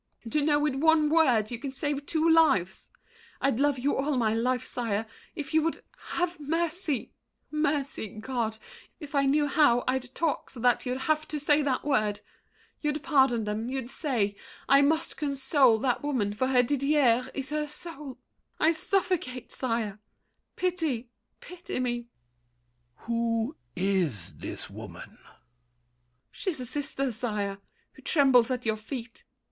To know with one word you can save two lives! I'd love you all my life, sire, if you would Have mercy—mercy, God! If I knew how, I'd talk so that you'd have to say that word. You'd pardon them; you'd say, "I must console That woman, for her Didier is her soul." I suffocate, sire. Pity, pity me! THE KING. Who is this woman? MARION. She's a sister, sire, Who trembles at your feet.